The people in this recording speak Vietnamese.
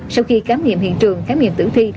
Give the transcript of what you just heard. sau khi cám nghiệm hiện trường cám nghiệm tử thi